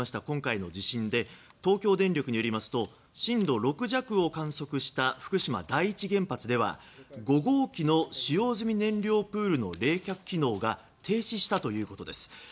今回の地震で東京電力によりますと震度６弱を観測した福島第一原発では５号機の使用済み燃料プールの冷却機能が停止したということです。